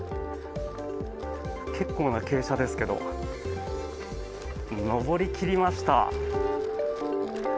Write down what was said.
結構な傾斜ですけど上り切りました。